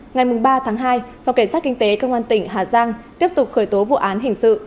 ngày ba tháng hai phòng cảnh sát kinh tế công an tỉnh hà giang tiếp tục khởi tố vụ án hình sự